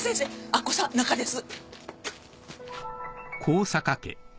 明子さん中です。